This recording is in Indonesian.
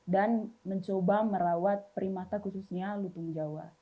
dan mencoba merawat primata khususnya lutung jawa